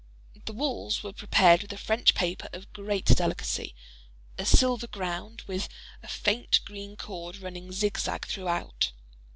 The walls were prepared with a French paper of great delicacy, a silver ground, with a faint green cord running zig zag throughout.